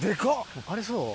あれそう？